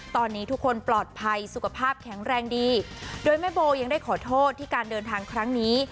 ตอนนี้ทุกคนปลอดภัยสุขภาพแข็งแรงดีโดยแม่โบยังได้ขอโทษที่การเดินทางครั้งนี้